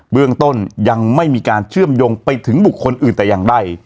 เรื่องต้นยังไม่มีการเชื่อมโยงไปถึงบุคคลอื่นแต่อย่างใด